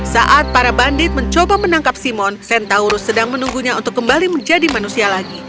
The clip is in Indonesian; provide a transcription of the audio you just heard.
saat para bandit mencoba menangkap simon sentaurus sedang menunggunya untuk kembali menjadi manusia lagi